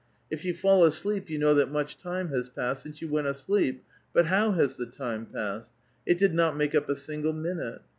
If you fall asleep, you know that much time has passed since you went asleep; but how has the time passed? It did not make up a single minute.